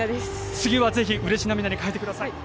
次はぜひうれし涙に変えてください。